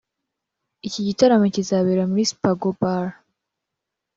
Iki gitaramo kizabera muri Spago Bar